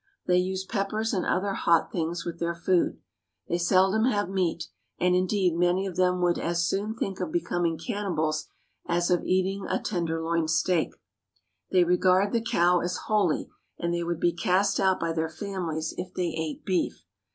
They use pep pers and other hot things with their food. They seldom have meat ; and, indeed, many of them would as soon think of becoming cannibals as of eating a tenderloin steak. THE VILLAGES OF INDIA 259 They regard the cow as holy, and they would be cast out by their families if they ate beef.